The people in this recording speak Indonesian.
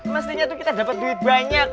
mestinya tuh kita dapat duit banyak